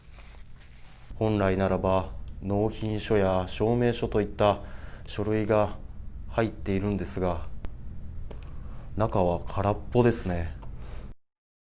本来なら納品書や証明書といった書類が入っているんですが、中は空っぽですね。